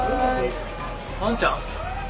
アンちゃん。